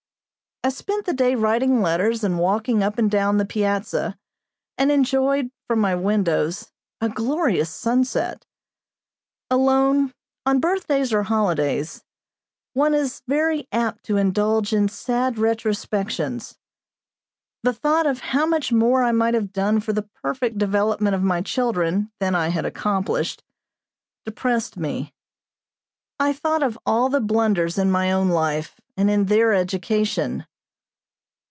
I spent the day writing letters and walking up and down the piazza, and enjoyed, from my windows, a glorious sunset. Alone, on birthdays or holidays, one is very apt to indulge in sad retrospections. The thought of how much more I might have done for the perfect development of my children than I had accomplished, depressed me. I thought of all the blunders in my own life and in their education.